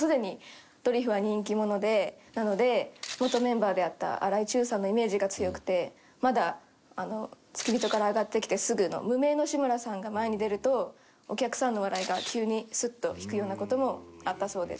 なので元メンバーであった荒井注さんのイメージが強くてまだ付き人から上がってきてすぐの無名の志村さんが前に出るとお客さんの笑いが急にスッと引くような事もあったそうです。